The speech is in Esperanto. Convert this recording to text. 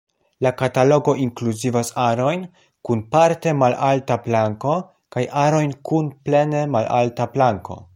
La katalogo inkluzivas arojn kun parte malalta planko kaj arojn kun plene malalta planko.